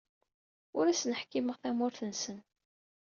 Ur asent-ḥkimeɣ tamurt-nsent.